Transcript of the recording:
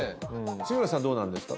杉野さんどうなんですか？